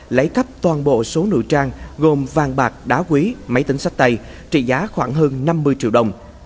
lấy cắp toàn bộ số nội trang gồm vàng bạc đá quý máy tính sách tay trị giá khoảng hơn năm mươi triệu đồng